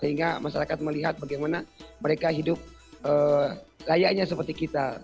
sehingga masyarakat melihat bagaimana mereka hidup layaknya seperti kita